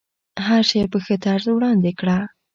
هر شی په ښه طرز وړاندې کړه.